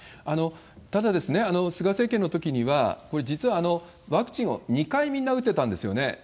ただ、菅政権のときには、これ、実はワクチンを２回みんな打てたんですよね。